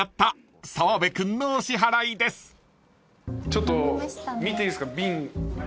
ちょっと見ていいっすか？